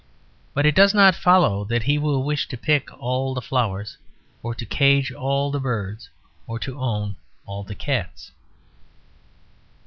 But it does not follow that he will wish to pick all the flowers or to cage all the birds or to own all the cats.